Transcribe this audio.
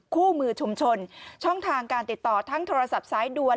คู่มือชุมชนช่องทางการติดต่อทั้งโทรศัพท์สายด่วน